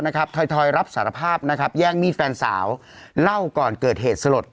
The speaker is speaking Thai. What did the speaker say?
ถอยรับสารภาพนะครับแย่งมีดแฟนสาวเล่าก่อนเกิดเหตุสลด